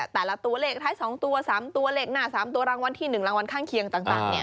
แต่ละตัวเลขท้าย๒ตัว๓ตัวเลขหน้า๓ตัวรางวัลที่๑รางวัลข้างเคียงต่าง